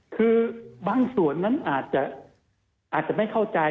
คือบางส่วนนั้นอาจจะไม่เข้าใจ